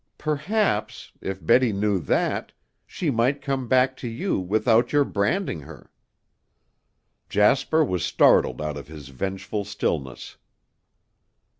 Perhaps if Betty knew that she might come back to you, without your branding her." Jasper was startled out of his vengeful stillness.